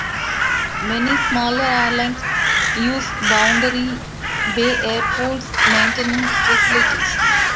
Many smaller airlines use Boundary Bay Airport's maintenance facilities.